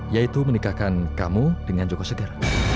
yaitu menikahkan kamu dengan joko segar